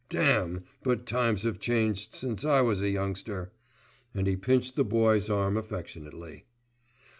Damme; but times have changed since I was a youngster," and he pinched the Boy's arm affectionately.